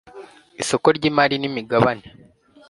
isoko ry imari n imigabane